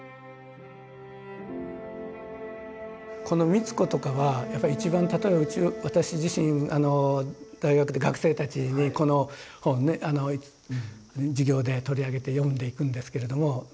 この美津子とかはやっぱり一番例えば私自身大学で学生たちにこの本ね授業で取り上げて読んでいくんですけれども。